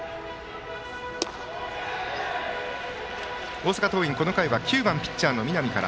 大阪桐蔭、この回は９番ピッチャー、南から。